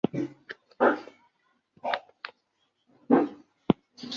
它可在众多操作系统。